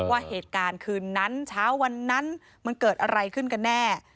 ว่าเหตุการณ์คืนนั้นเช้าวันนั้นมันเกิดอะไรขึ้นกันแน่